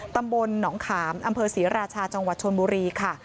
ตำบลหนองขามอำเภอศรีราชาจังหวัดชนบุรีค่ะ